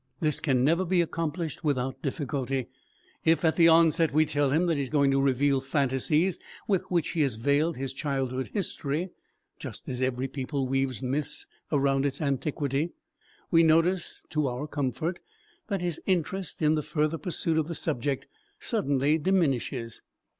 This can never be accomplished without difficulty. If at the outset we tell him that he is going to reveal phantasies with which he has veiled his childhood history, just as every people weaves myths around its antiquity, we notice (to our comfort) that his interest in the further pursuit of the subject suddenly diminishes.